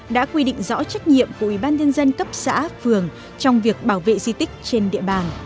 đã quy định rõ trách nhiệm của ủy ban nhân dân cấp xã phường trong việc bảo vệ di tích trên địa bàn